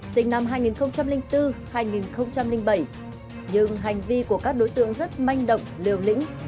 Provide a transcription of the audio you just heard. sinh năm hai nghìn bốn hai nghìn bảy nhưng hành vi của các đối tượng rất manh động liều lĩnh